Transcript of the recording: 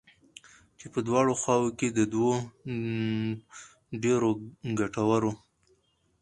چې په دواړو خواوو كې د دوو ډېرو گټورو